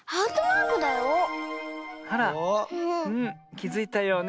きづいたようね。